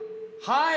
はい。